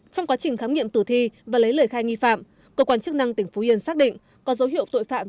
trong quá trình khám nghiệm tử thi và lấy lời khai nghi phạm cơ quan chức năng tỉnh phú yên xác định có dấu hiệu tội phạm